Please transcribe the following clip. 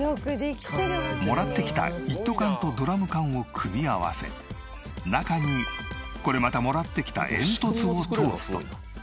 もらってきた一斗缶とドラム缶を組み合わせ中にこれまたもらってきた煙突を通すと。